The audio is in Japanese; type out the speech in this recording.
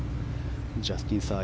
ジャスティン・サー